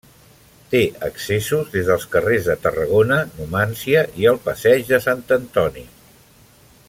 Té accessos des dels carrers de Tarragona, Numància i el passeig de Sant Antoni.